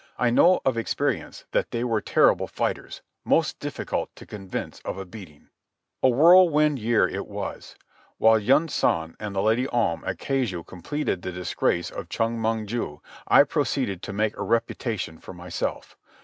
I know of experience that they were terrible fighters, most difficult to convince of a beating. A whirlwind year it was. While Yunsan and the Lady Om at Keijo completed the disgrace of Chong Mong ju, I proceeded to make a reputation for myself.